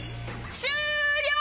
終了！